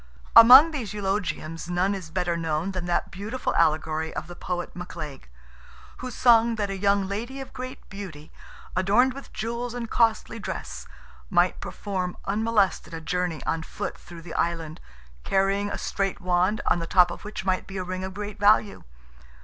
Among these eulogiums none is better known than that beautiful allegory of the poet McLaig, who sung that "a young lady of great beauty, adorned with jewels and costly dress, might perform unmolested a journey on foot through the Island, carrying a straight wand, on the top of which might be a ring of great value."